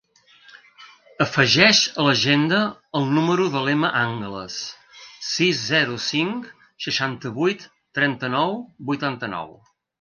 Afegeix a l'agenda el número de l'Emma Angles: sis, zero, cinc, seixanta-vuit, trenta-nou, vuitanta-nou.